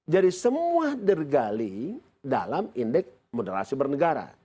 jadi semua tergali dalam indeks moderasi bernegara